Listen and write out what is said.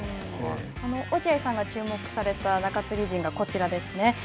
落合さんが注目された中継ぎ陣がこちらですね。